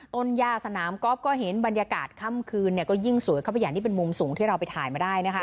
ต้นย่าสนามก๊อฟก็เห็นบรรยากาศค่ำคืนก็ยิ่งสวยเข้าไปอย่างที่เป็นมุมสูงที่เราไปถ่ายมาได้นะคะ